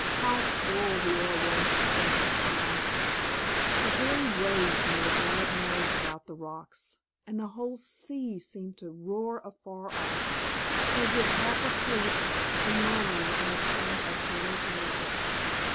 How full the air was of pleasant sounds! The very waves made a glad noise about the rocks, and the whole sea seemed to roar afar off, as if half asleep and murmuring in a kind of gentle dream.